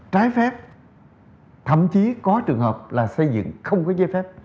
trái phép thậm chí có trường hợp là xây dựng không có giấy phép